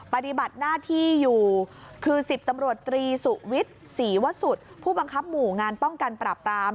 ปฏิบัติหน้าที่อยู่คือ๑๐ตำรวจตรีสุวิทย์ศรีวสุดผู้บังคับหมู่งานป้องกันปราบปราม